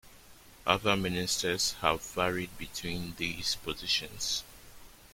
Other Ministers have varied between these positions.